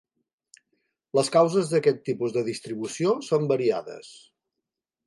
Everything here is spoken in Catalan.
Les causes d'aquest tipus de distribució són variades.